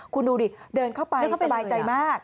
คุณดูดิเดินเข้าไปเขาสบายใจมาก